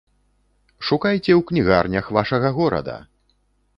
Шукайце ў кнігарнях вашага горада!